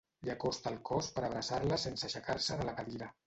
Li acosta el cos per abraçar-la sense aixecar-se de la cadira.